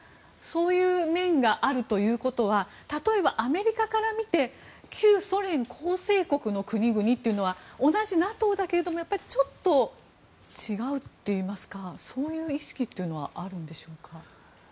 そういう面があるということは例えば、アメリカから見て旧ソ連構成国という国々は同じＮＡＴＯだけれどもちょっと違うといいますかそういう意識というのはあるんでしょうか。